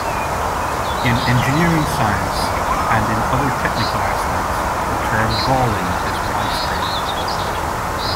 In engineering science and in other technical aspects, the term galling is widespread.